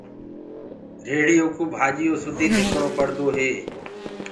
ريڙهيو ڪوُ ڀآڃيو سُدي ڌڪڻو پڙدو هي۔